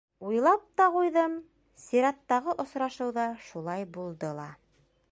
Уйлап та ҡуйҙым, сираттағы осрашыуҙа шулай булды ла.